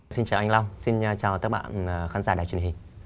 xin chào anh long xin chào các bạn khán giả đài truyền hình